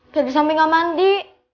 febri sampai gak mandi